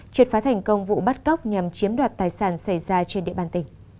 triệt phá thành công vụ bắt cóc nhằm chiếm đoạt tài sản xảy ra trên địa bàn tỉnh